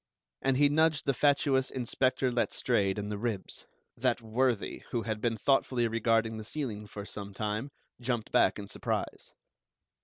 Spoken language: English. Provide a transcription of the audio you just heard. And he nudged the fatuous Inspector Letstrayed in the ribs. That worthy, who had been thoughtfully regarding the ceiling for some time, jumped back in surprise.